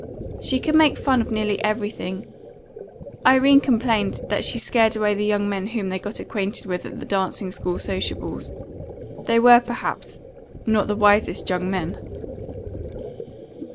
She could make fun of nearly everything; Irene complained that she scared away the young men whom they got acquainted with at the dancing school sociables. They were, perhaps, not the wisest young men.